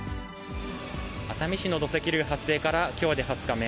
熱海市の土石流発生からきょうで２０日目。